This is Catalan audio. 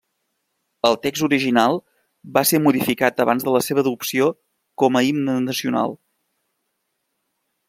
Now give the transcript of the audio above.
El text original va ser modificat abans de la seva adopció com a himne nacional.